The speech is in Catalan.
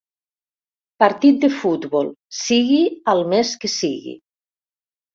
Partit de futbol, sigui al mes que sigui.